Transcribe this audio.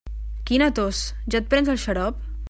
Quina tos, ja et prens el xarop?